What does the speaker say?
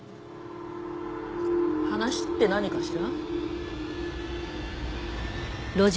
話って何かしら？